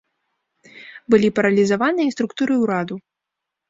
Былі паралізаваныя і структуры ўраду.